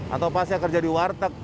atau pas saya kerja di warteg